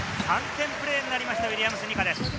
３点プレーになりました、ウィリアムス・ニカです。